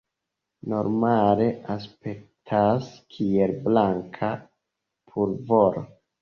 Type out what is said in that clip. Normale aspektas kiel blanka pulvoro.